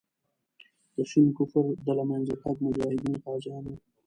د شین کفر د له منځه تګ مجاهدین غازیان وو.